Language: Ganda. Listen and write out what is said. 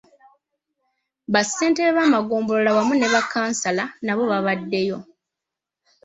Bassentebe b'amagombolola wamu ne bakkansala nabo babadeyo.